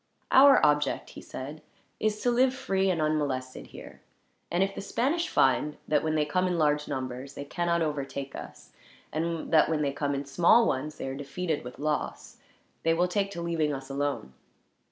"Our object," he said, "is to live free and unmolested here; and if the Spanish find that, when they come in large numbers, they cannot overtake us; and that, when they come in small ones, they are defeated with loss; they will take to leaving us alone."